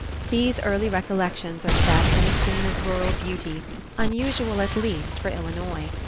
These early recollections are set in a scene of rural beauty, unusual at least for Illinois.